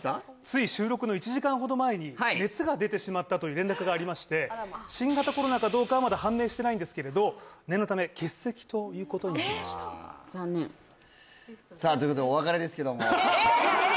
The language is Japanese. つい収録の１時間ほど前に熱が出てしまったという連絡がありまして新型コロナかどうかはまだ判明してないんですけれど念のため欠席ということになりました残念えっ早い終わり？